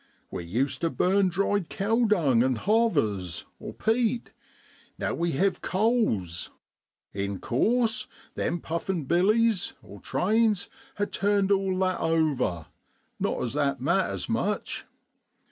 We used tu burn dried cow dung an' hovers (peat); now we hev' coals, in course them puffin Billies (trains) ha' turned all that over, not as that matters much.